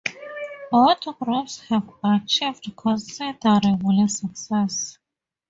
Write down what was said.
Both groups have achieved considerable success.